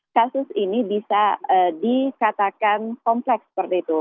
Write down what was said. kasus ini bisa dikatakan kompleks seperti itu